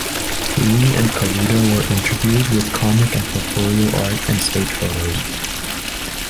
Lee and Kaluta were interviewed, with comic and portfolio art, and stage photos.